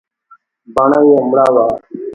بڼه يې مړه وه .